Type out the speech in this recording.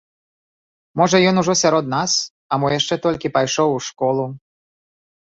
Можа, ён ужо сярод нас, а мо яшчэ толькі пайшоў у школу.